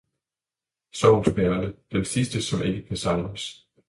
Sorgens perle, den sidste, som ikke kan savnes!